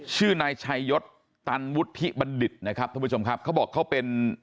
ชื่อนายชัยยศตันวุฒิบัณฑิตนะครับท่านผู้ชมครับเขาบอกเขาเป็น